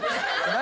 何？